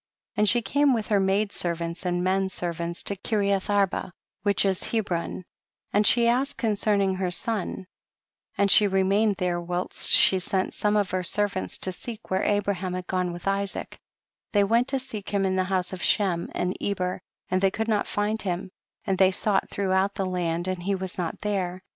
85. And she came with her maid servants and men servants to Kireath Arba, which is Hebron, and she asked concerning her son, and she remained there whilst she sent some of her servants to seek where Abra ham had gone with Isaac ; they went to seek him in the house of Shem and Eber, and they could not find him, and they sought throughout the land and he was not there.